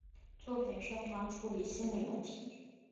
作品擅长处理心理问题。